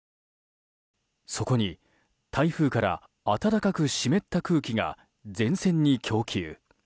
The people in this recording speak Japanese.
そこに台風から暖かく湿った空気が前線に供給。